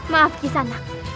maaf kisah anak